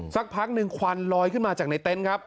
สักพักหนึ่งควันลอยขึ้นมาจากในเต็นต์ครับ